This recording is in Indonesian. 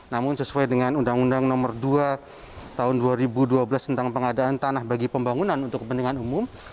namun sesuai dengan undang undang nomor dua tahun dua ribu dua belas tentang pengadaan tanah bagi pembangunan untuk kepentingan umum